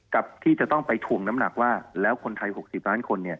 กับที่จะต้องไปถ่วงน้ำหนักว่าแล้วคนไทย๖๐ล้านคน